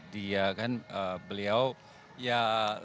dia kan beliau ya